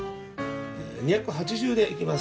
え２８０でいきます